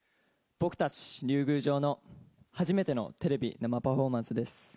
僕たち龍宮城の初めてのテレビ生パフォーマンスです。